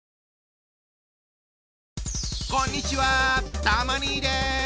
こんにちはたま兄です。